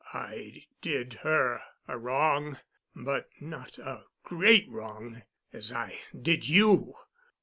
I did her a wrong, but not a great wrong, as I did you.